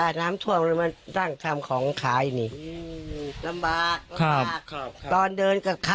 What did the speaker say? อ่าน้ำท่วมเลยมานั่งทำของขายนี่